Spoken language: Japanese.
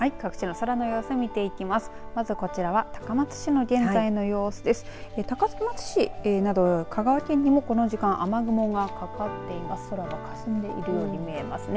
空がかすんでいるように見えますね。